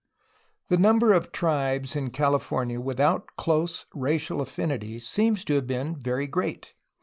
The number of tribes in California without close racial affinity seems to have been very great.